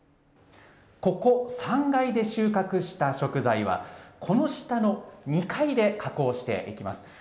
ここ、３階で収穫した食材は、この下の２階で加工していきます。